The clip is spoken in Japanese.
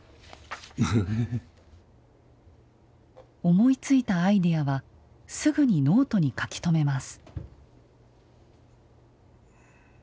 思いついたアイデアはすぐにノートに書き留めます。